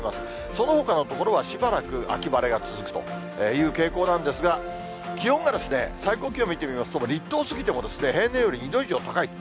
そのほかの所はしばらく秋晴れが続くという傾向なんですが、気温がですね、最高気温見てみますと、立冬を過ぎても、平年より２度以上高い。